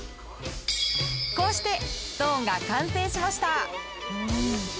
こうしてストーンが完成しました。